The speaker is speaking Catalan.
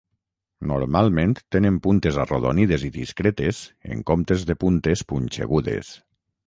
Normalment tenen puntes arrodonides i discretes en comptes de puntes punxegudes.